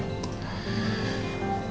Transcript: ya udah kita tunggu randy